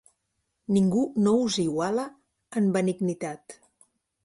Ningú no us iguala en benignitat.